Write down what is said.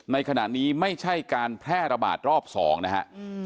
ในขณะนี้ไม่ใช่การแพร่ระบาดรอบ๒นะฮะ